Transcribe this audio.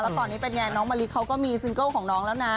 แล้วตอนนี้เป็นไงน้องมะลิเขาก็มีซิงเกิลของน้องแล้วนะ